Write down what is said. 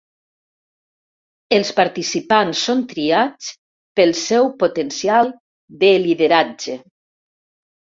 Els participants són triats pel seu potencial de lideratge.